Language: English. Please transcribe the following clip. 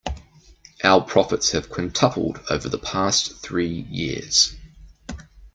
Our profits have quintupled over the past three years.